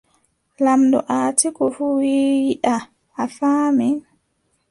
Lamɗo Atiiku fuu wii yiɗaa. a faami.